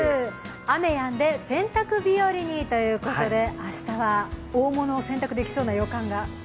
雨やんで洗濯日和にということで明日は大物を洗濯できそうな予感が。